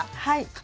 はい。